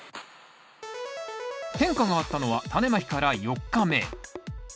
変化があったのはタネまきから４日目。